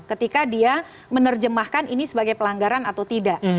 ketika dia menerjemahkan ini sebagai pelanggaran atau tidak